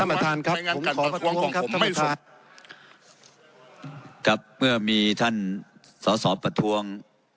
ครับผมขอประทรวงของผมไม่ส่วนครับครับเมื่อมีท่านสาวสอบประทรวง